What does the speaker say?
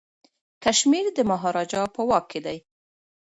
کشمیر د مهاراجا په واک کي دی.